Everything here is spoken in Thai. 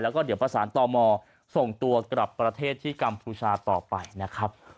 แล้วก็เดี๋ยวประสานต่อมอส่งตัวกลับประเทศที่กัมพูชาต่อไปนะครับ